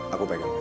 aku pegang kasih